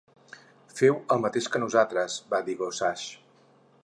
"Feu el mateix que nosaltres", va dir Gossage.